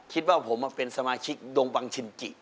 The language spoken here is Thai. คิดว่าผมเป็นสมาชิกดงบังชินจิ